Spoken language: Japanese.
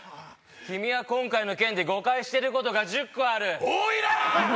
君は今回の件で誤解してることが１０個ある多いな！